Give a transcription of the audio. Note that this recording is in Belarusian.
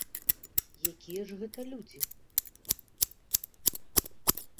Якія ж гэта людзі?!